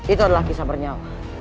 itu adalah kisam bernyawa